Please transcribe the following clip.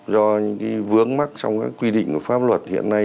do những cái vướng mắc trong cái quy định của pháp luật hiện nay